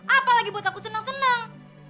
apalagi buat aku seneng seneng